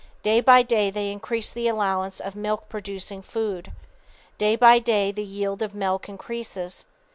Day by day they increase the allowance of milk producing food. Day by day the yield of milk increases.